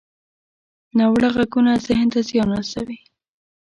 ناوړه غږونه ذهن ته زیان رسوي